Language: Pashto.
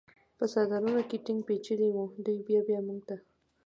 په څادرونو کې ټینګ پېچلي و، دوی بیا بیا موږ ته.